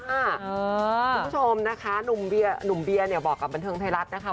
คุณผู้ชมนะคะหนุ่มเบียร์เนี่ยบอกกับบันเทิงไทยรัฐนะคะ